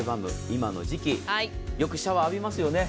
今の時期よくシャワー浴びますよね。